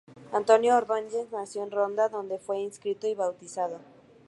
Antonio Ordóñez nació en Ronda, donde fue inscrito y bautizado.